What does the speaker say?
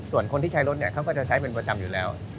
ส่วนคนที่ใช้รถเขาก็จะใช้เป็นประจำอยู่แล้ว